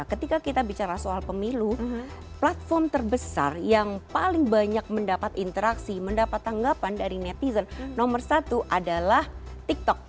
ketika kita bicara soal pemilu platform terbesar yang paling banyak mendapat interaksi mendapat tanggapan dari netizen nomor satu adalah tiktok